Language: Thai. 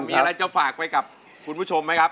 มีอะไรจะฝากไปกับคุณผู้ชมไหมครับ